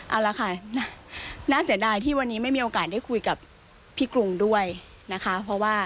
เอาละค่ะน่าเสียดายที่วันนี้ไม่มีโอกาสได้คุยกับพี่กรุงด้วยนะคะเพราะว่า